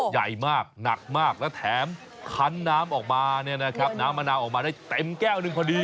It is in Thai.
ใหญ่มากหนักมากและแถมคันน้ำมะนาวออกมาได้เต็มแก้วหนึ่งพอดี